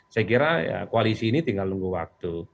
saya kira koalisi ini tinggal nunggu waktu